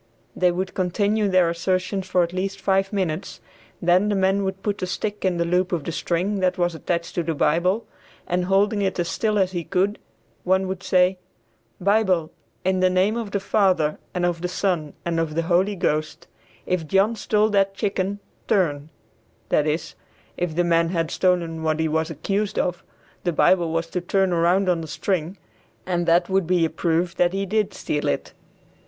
They would continue their assertions for at least five minutes, then the man would put a stick in the loop of the string that was attached to the Bible, and holding it as still as he could, one would say, "Bible, in the name of the Father and of the Son and of the Holy Ghost, if John stole that chicken, turn," that is, if the man had stolen what he was accused of, the Bible was to turn around on the string, and that would be a proof that he did steal it.